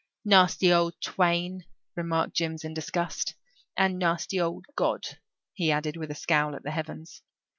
"Nasty old twain," remarked Jims in disgust. "And nasty old God," he added, with a scowl at the heavens.